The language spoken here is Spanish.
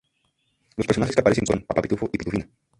Los personajes que aparecen son "Papá Pitufo" y "Pitufina".